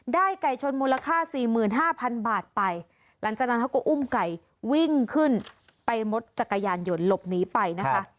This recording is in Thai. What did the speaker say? ไก่ชนมูลค่าสี่หมื่นห้าพันบาทไปหลังจากนั้นเขาก็อุ้มไก่วิ่งขึ้นไปมรถจักรยานยนต์หลบหนีไปนะคะ